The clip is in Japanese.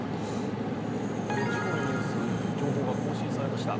ここで事故のニュース情報が更新されました。